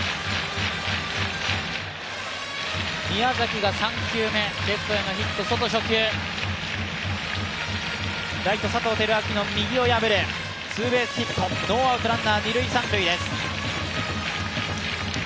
宮崎が３球目、レフトへのヒット、ソト初球、ライト・佐藤輝明の右を破るツーベースヒット、ノーアウトランナー、二塁・三塁です。